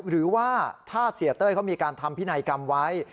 หรือว่าถ้าเสียเต้ยเขามีการทำพินัยกรรมไว้